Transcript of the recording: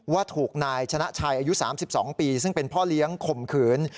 ว่าถูกนายชนะชัยอายุ๓๒ปีซึ่งเป็นพ่อเลี้ยงข่มขืน